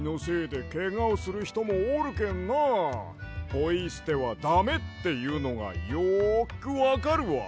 ポイすてはだめっていうのがよくわかるわ。